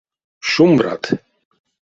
Шумбрат!